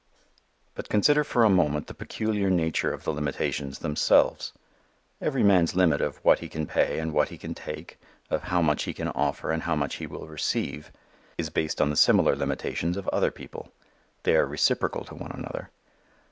But consider for a moment the peculiar nature of the limitations themselves. Every man's limit of what he can pay and what he can take, of how much he can offer and how much he will receive, is based on the similar limitations of other people. They are reciprocal to one another.